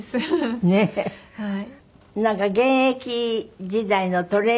はい。